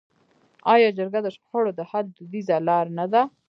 آیا جرګه د شخړو د حل دودیزه لاره نه ده؟